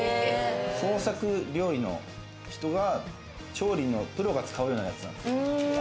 創作料理の人が調理のプロが使うようなやつなんですよ。